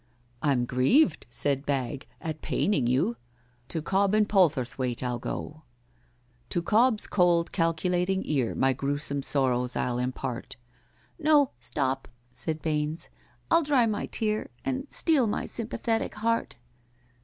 "I'm grieved," said BAGG, "at paining you— To COBB and POLTHERTHWAITE I'll go— "To COBB'S cold, calculating ear, My gruesome sorrows I'll impart"— "No; stop," said BAINES, "I'll dry my tear, And steel my sympathetic heart."